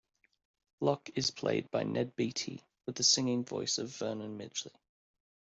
Locke is played by Ned Beatty, with the singing voice of Vernon Midgley.